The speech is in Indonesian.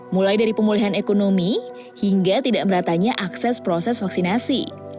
mulai dari pemulihan ekonomi hingga tidak meratanya akses proses vaksinasi